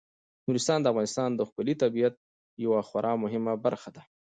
نورستان د افغانستان د ښکلي طبیعت یوه خورا مهمه برخه ده.